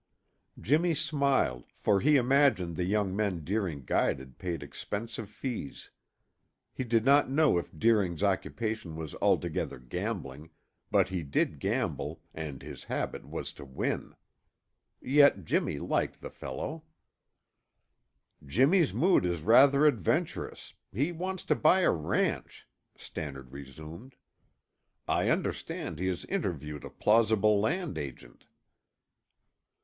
Jimmy smiled, for he imagined the young men Deering guided paid expensive fees. He did not know if Deering's occupation was altogether gambling, but he did gamble and his habit was to win. Yet Jimmy liked the fellow. "Jimmy's mood is rashly adventurous; he wants to buy a ranch," Stannard resumed. "I understand he has interviewed a plausible land agent."